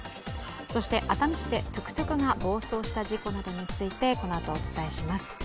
そして熱海市でトゥクトゥクが暴走した事故などについてこのあとお伝えしていきます。